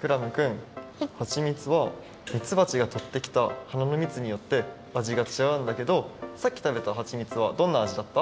クラムくんはちみつはみつばちがとってきた花のみつによって味がちがうんだけどさっきたべたはちみつはどんな味だった？